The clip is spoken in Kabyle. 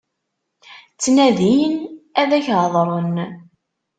Ttnadin ad ak-hedṛen.